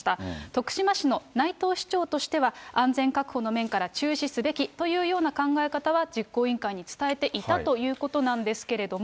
徳島市の内藤市長としては、安全確保の面から中止すべきというような考え方は実行委員会に伝えていたということなんですけれども。